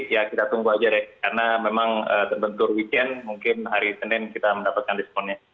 ya kita tunggu aja deh karena memang terbentur weekend mungkin hari senin kita mendapatkan responnya